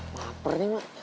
maper nih mak